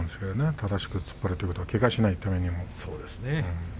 正しく突っ張るということはけがをしないということでも。